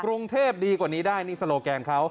กรุงเทพดีกว่านี้ได้นี่สโลแกนเขา